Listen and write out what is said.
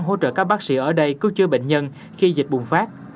hỗ trợ các bác sĩ ở đây cứu chữa bệnh nhân khi dịch bùng phát